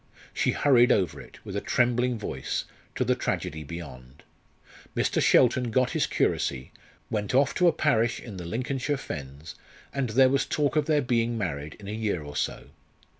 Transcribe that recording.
She hurried over it, with a trembling voice, to the tragedy beyond. Mr. Shelton got his curacy, went off to a parish in the Lincolnshire Fens, and there was talk of their being married in a year or so.